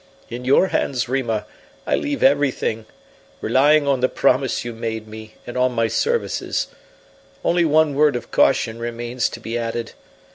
In your hands, Rima, I leave everything, relying on the promise you made me, and on my services. Only one word of caution remains to be added.